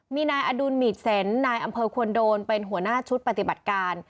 มีนายอดุลหมีดเซ็นต์นายอำเภอควรโดนเป็นหัวหน้าชุดปฏิบัติการ